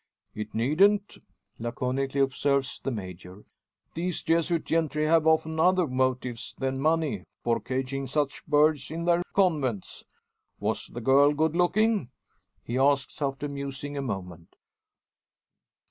"It needn't," laconically observes the Major. "These Jesuit gentry have often other motives than money for caging such birds in their convents. Was the girl good looking?" he asks after musing a moment.